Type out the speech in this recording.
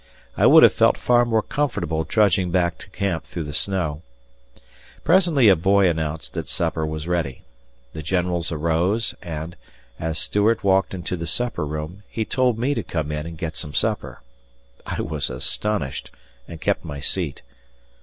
I would have felt far more comfortable trudging back to camp through the snow. Presently a boy announced that supper was ready. The generals arose and, as Stuart walked into the supper room, he told me to come in and get some supper. I was astonished and kept my seat.